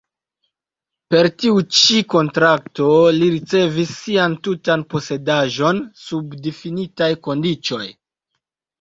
Per tiu ĉi kontrakto li ricevis sian tutan posedaĵon sub difinitaj kondiĉoj.